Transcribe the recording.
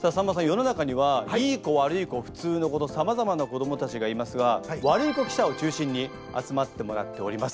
世の中にはいい子悪い子普通の子とさまざまな子どもたちがいますがワルイコ記者を中心に集まってもらっております。